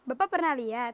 bapak pernah liat